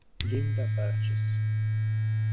Linda Burgess